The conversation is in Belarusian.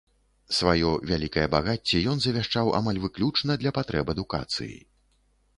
Сваё вялікае багацце ён завяшчаў амаль выключна для патрэб адукацыі.